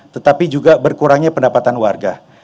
tetapi juga berkurangnya pendapatan warga